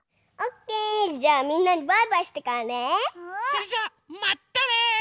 それじゃまったね！